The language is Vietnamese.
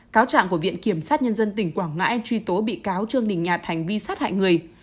cáo trạng của viện kiểm sát nhân dân tỉnh quảng ngãi truy tố bị cáo trương đình nhạt hành vi sát hại người